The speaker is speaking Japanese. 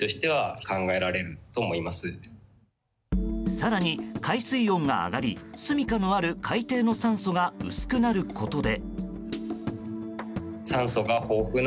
更に、海水温が上がりすみかのある海底の酸素が薄くなることで。